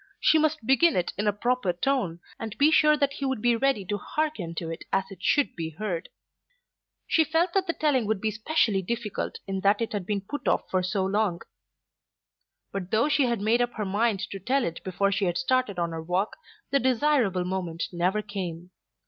She must begin it in a proper tone, and be sure that he would be ready to hearken to it as it should be heard. She felt that the telling would be specially difficult in that it had been put off so long. But though she had made up her mind to tell it before she had started on her walk, the desirable moment never came.